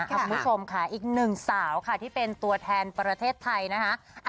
คุณผู้ชมค่ะอีกหนึ่งสาวค่ะที่เป็นตัวแทนประเทศไทยนะคะ